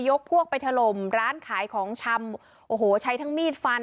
พวกไปถล่มร้านขายของชำโอ้โหใช้ทั้งมีดฟัน